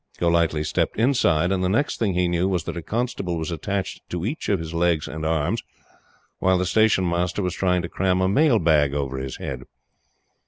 Golightly stepped inside, and the next thing he knew was that a constable was attached to each of his legs and arms, while the Station Master was trying to cram a mailbag over his head.